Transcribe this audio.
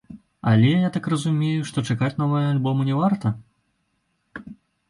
Але, я так разумею, што чакаць новага альбома не варта?